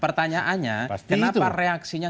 pertanyaannya kenapa reaksinya